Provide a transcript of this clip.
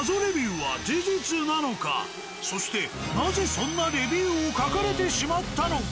そのそしてなぜそんなレビューを書かれてしまったのか？